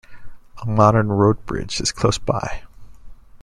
A modern roadbridge is close by.